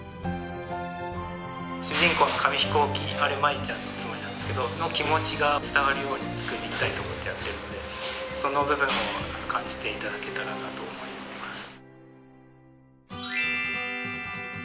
主人公の紙飛行機あれ舞ちゃんのつもりなんですけど気持ちが伝わるように作りたいと思ってやってるのでその部分を感じていただけたらなと思います。